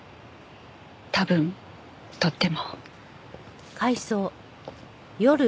多分とっても。